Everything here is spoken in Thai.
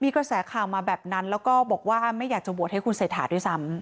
กระแสข่าวมาแบบนั้นแล้วก็บอกว่าไม่อยากจะโหวตให้คุณเศรษฐาด้วยซ้ำ